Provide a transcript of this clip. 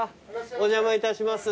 お邪魔いたします。